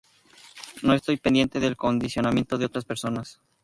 No estoy pendiente del condicionamiento de otras personas"".